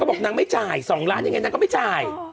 บอกนางไม่จ่าย๒ล้านยังไงนางก็ไม่จ่าย